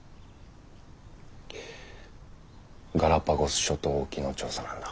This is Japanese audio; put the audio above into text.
ガラパゴス諸島沖の調査なんだ。